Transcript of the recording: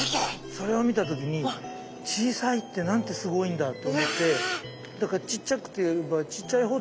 それを見た時に小さいってなんてすごいんだと思ってだからちっちゃければちっちゃいほど好きです。